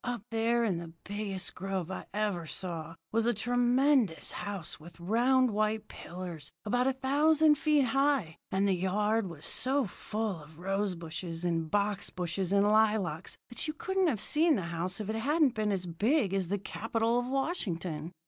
Up there in the biggest grove I ever saw was a tremendous house with round white pillars about a thousand feet high, and the yard was so full of rose bushes and box bushes and lilacs that you couldn't have seen the house if it hadn't been as big as the Capitol at Washington.